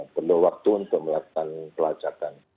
perlu waktu untuk melakukan pelacakan